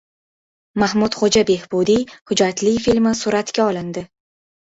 “Mahmudxo‘ja Behbudiy” hujjatli filmi suratga olindi